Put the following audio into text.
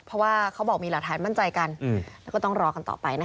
เพราะว่าเขาบอกมีหลักฐานมั่นใจกันแล้วก็ต้องรอกันต่อไปนะคะ